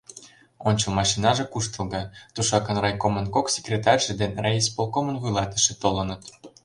Ончыл машинаже куштылго, тушакын райкомын кок секретарьже ден райисполком вуйлатыше толыныт.